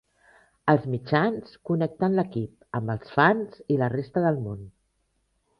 Els mitjans connecten l'equip amb els fans i la resta del món.